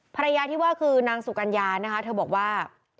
ภรรยาที่ว่าคือนางสุกัญญานะคะเธอบอกว่า